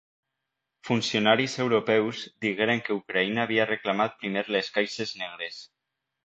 Funcionaris europeus digueren que Ucraïna havia reclamat primer les caixes negres.